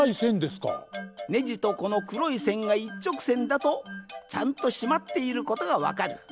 ネジとこのくろいせんがいっちょくせんだとちゃんとしまっていることがわかる。